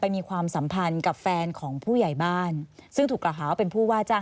มีความสัมพันธ์กับแฟนของผู้ใหญ่บ้านซึ่งถูกกล่าวหาว่าเป็นผู้ว่าจ้าง